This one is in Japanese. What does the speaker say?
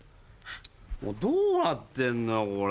どうなってんのよこれ。